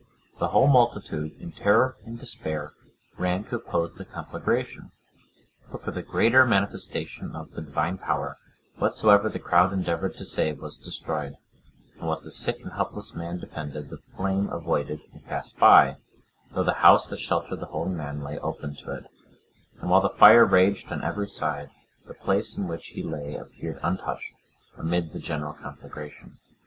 The whole multitude, in terror and despair, ran to oppose the conflagration; but, for the greater manifestation of the Divine power, whatsoever the crowd endeavoured to save, was destroyed; and what the sick and helpless man defended, the flame avoided and passed by, though the house that sheltered the holy man lay open to it,(96) and while the fire raged on every side, the place in which he lay appeared untouched, amid the general conflagration.